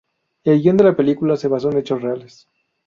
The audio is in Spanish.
El guión de la película se basó en hechos reales.